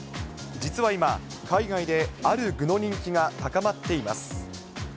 実は今、海外である具の人気が高まっています。